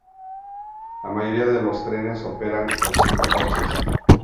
La mayoría de los trenes operan con cinco coches.